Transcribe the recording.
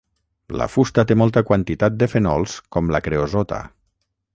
La fusta té molta quantitat de fenols com la creosota.